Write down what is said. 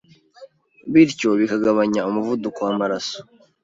bityo bikagabanya umuvuduko w’amaraso,